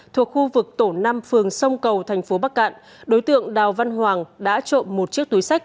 thuộc khu vực tổ năm phường sông cầu thành phố bắc cạn đối tượng đào văn hoàng đã trộm một chiếc túi sách